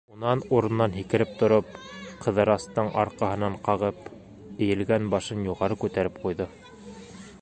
Унан, урынынан һикереп тороп, Ҡыҙырастың арҡаһынан ҡағып, эйелгән башын юғары күтәреп ҡуйҙы.